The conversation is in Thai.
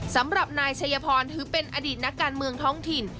สำหรับนายชัยพรถือเป็นอดีตนักการเมืองท้องถิ่น